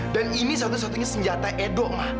dan ini satu satunya senjata edo ma